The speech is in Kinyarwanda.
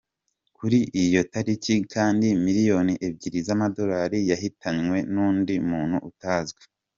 Kuri iyo tariki kandi, miliyoni ebyiri z’amadolari, yahitanywe n’undi muntu utazwi.